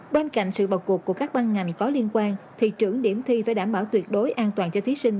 bên cạnh sự bậc cuộc của các băng ngành có liên quan thị trưởng điểm thi phải đảm bảo tuyệt đối an toàn cho thí sinh